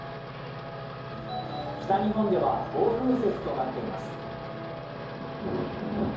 北日本では暴風雪となっています。